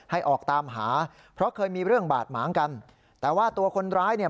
ออกตามหาเพราะเคยมีเรื่องบาดหมางกันแต่ว่าตัวคนร้ายเนี่ย